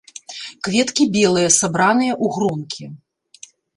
Кветкі белыя, сабраныя ў гронкі.